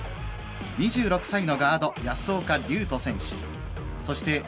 ２６歳のガード、保岡龍斗選手。